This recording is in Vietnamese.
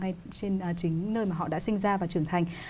ngay trên chính nơi mà họ đã sinh ra và trưởng thành